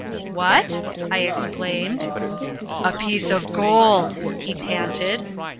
"What?" I exclaimed. "A piece of gold," he panted.